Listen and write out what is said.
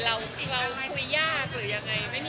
เราคุยยากหรือยังไง